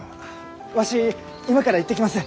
わし今から行ってきます。